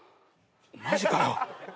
マジかよ